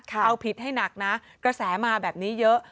เอาผิดให้หนักนะกระแสมาแบบนี้เยอะ